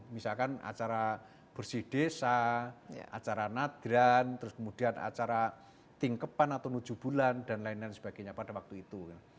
misalkan acara bersih desa acara nadran terus kemudian acara tingkepan atau tujuh bulan dan lain lain sebagainya pada waktu itu